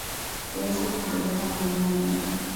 Siwezi kujieleza na maneno mengi